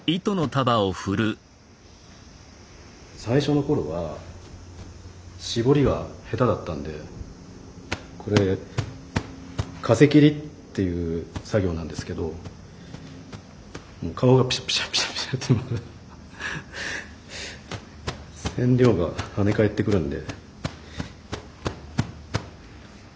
最初の頃は絞りが下手だったんでこれ「風切り」っていう作業なんですけどもう顔がピシャピシャピシャピシャって染料がはね返ってくるんで。